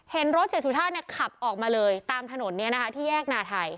เห็นรถเสียสุชาติขับออกมาเลยตามถนนที่แยกนาไทย